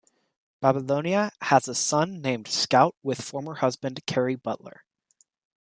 Babilonia has a son named Scout with former husband Cary Butler.